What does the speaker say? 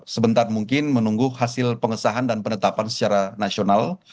sebentar mungkin menunggu hasil pengesahan dan penetapan secara nasional